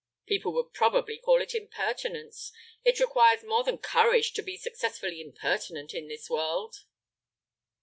"People would probably call it impertinence. It requires more than courage to be successfully impertinent in this world."